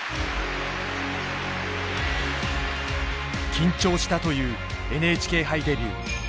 緊張したというＮＨＫ杯デビュー。